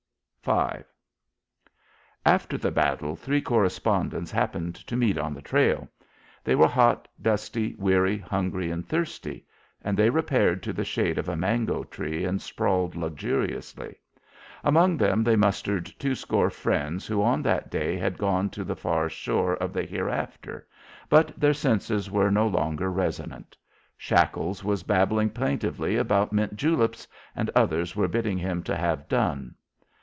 V After the battle, three correspondents happened to meet on the trail. They were hot, dusty, weary, hungry and thirsty, and they repaired to the shade of a mango tree and sprawled luxuriously. Among them they mustered twoscore friends who on that day had gone to the far shore of the hereafter, but their senses were no longer resonant. Shackles was babbling plaintively about mint juleps, and the others were bidding him to have done.